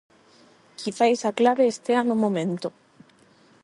Quizais a clave estea no momento.